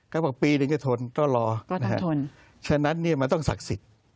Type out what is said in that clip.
ก็บอกปีนึงจะทนก็รอฉะนั้นมันต้องศักดิ์สิทธิ์